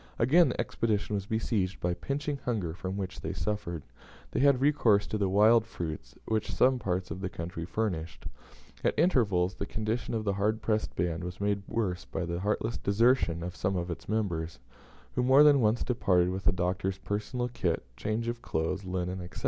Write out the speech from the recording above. Again the Expedition was besieged by pinching hunger from which they suffered; they had recourse to the wild fruits which some parts of the country furnished. At intervals the condition of the hard pressed band was made worse by the heartless desertion of some of its members, who more than once departed with the Doctor's personal kit, changes of clothes, linen, &c.